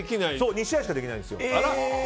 ２試合しかできないんです。